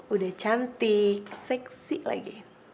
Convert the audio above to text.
udah cantik seksi lagi